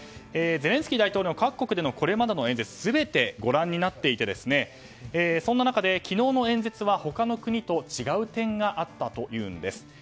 ゼレンスキー大統領の各国でのこれまでの演説全てご覧になっていてそんな中で昨日の演説は他の国と違う点があったというんです。